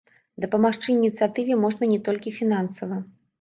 Дапамагчы ініцыятыве можна не толькі фінансава.